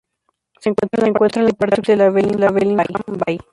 Se encuentra en la parte occidental de la Bellingham Bay.